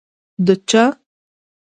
ـ د چا؟!